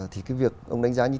thì cái việc ông đánh giá như